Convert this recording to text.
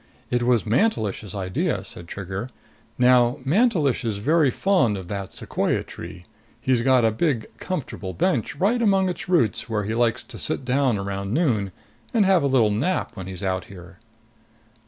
"It was Mantelish's idea," said Trigger. "Now Mantelish is very fond of that sequoia tree. He's got a big, comfortable bench right among its roots, where he likes to sit down around noon and have a little nap when he's out here."